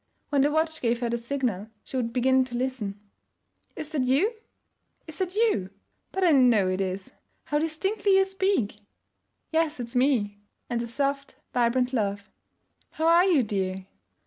When the watch gave her the signal she would begin to listen. 'Is that you? Is that you? But I know it is. How distinctly you speak!' 'Yes, it's me,' and the soft vibrant laugh. 'How are you, dear?'